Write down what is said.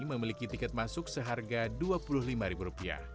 memiliki tiket masuk seharga rp dua puluh lima